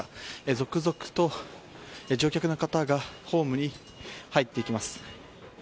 続々と乗客の方がホームに入っていきます。